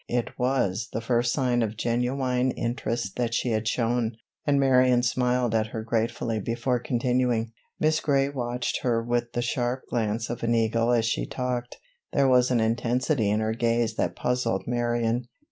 It was the first sign of genuine interest that she had shown, and Marion smiled at her gratefully before continuing. Miss Gray watched her with the sharp glance of an eagle as she talked. There was an intensity in her gaze that puzzled Marion.